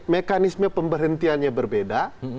mekanisme pemberhentiannya berbeda